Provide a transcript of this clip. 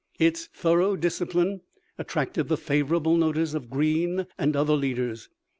Its thorough discipline attracted the favorable notice of Greene and other leaders.